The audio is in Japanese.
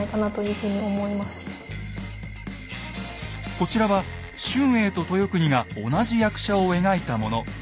こちらは春英と豊国が同じ役者を描いたもの。